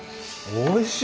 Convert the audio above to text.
おいしい！